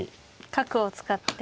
角を使って。